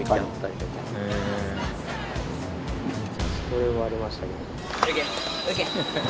それはありましたけど。